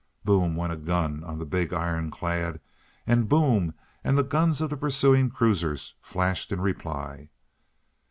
"Boom!" went a gun on the big ironclad, and "boom!" and the guns of the pursuing cruisers flashed in reply.